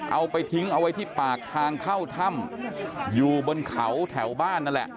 เอาไปทิ้งเอาไว้ที่ปากทางเข้าถ้ำอยู่บนเขาแถวบ้านนั่นแหละ